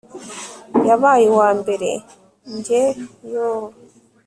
yabaye uwambere Njye yooo